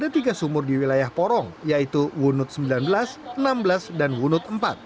ada tiga sumur di wilayah porong yaitu wunut sembilan belas enam belas dan wunut empat